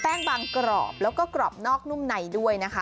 บางกรอบแล้วก็กรอบนอกนุ่มในด้วยนะคะ